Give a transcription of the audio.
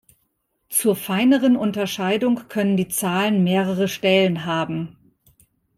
Zur feineren Unterscheidung können die Zahlen mehrere Stellen haben.